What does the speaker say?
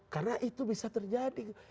karena itu bisa terjadi